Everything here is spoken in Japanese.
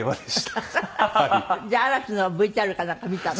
じゃあ嵐のＶＴＲかなんか見たの？